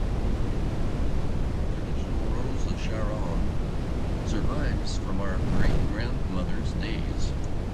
A traditional ‘Rose of Sharon’ survives from our great-grandmother's days.